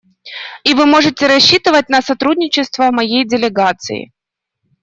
И вы можете рассчитывать на сотрудничество моей делегации.